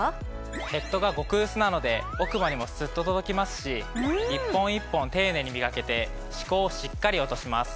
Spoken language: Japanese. ヘッドが極薄なので奥歯にもスッと届きますし１本１本丁寧にみがけて歯垢をしっかり落とします。